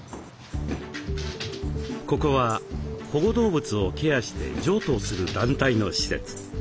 ここは保護動物をケアして譲渡をする団体の施設。